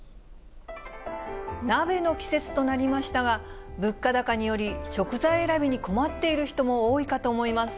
鍋の季節となりましたが、物価高により、食材選びに困っている人も多いかと思います。